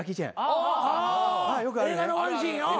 あ映画のワンシーン。